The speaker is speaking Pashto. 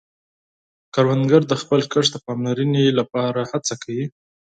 کروندګر د خپل کښت د پاملرنې له پاره هڅه کوي